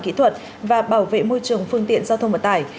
kỹ thuật và bảo vệ môi trường phương tiện giao thông vận tải